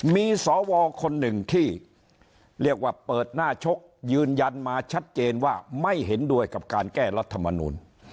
มีสวคนหนึ่งที่เรียกว่าเปิดหน้าชกยืนยันมาชัดเจนว่าไม่เห็นด้วยกับการแก้รัฐมนูล